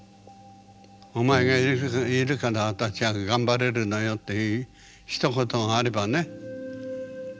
「お前がいるから私は頑張れるのよ」っていうひと言があればね別だったのね。